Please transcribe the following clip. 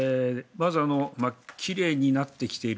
まず奇麗になってきている。